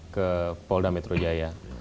ke polda metro jaya